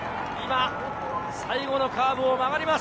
最後のカーブを曲がります。